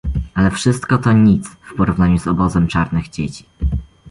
"Ale wszystko to nic w porównaniu z obozem czarnych dzieci."